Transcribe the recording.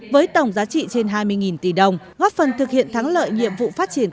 với tổng giá trị trên hai mươi tỷ đồng góp phần thực hiện thắng lợi nhiệm vụ phát triển